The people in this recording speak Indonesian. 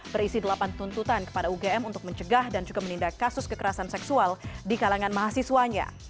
berisi delapan tuntutan kepada ugm untuk mencegah dan juga menindak kasus kekerasan seksual di kalangan mahasiswanya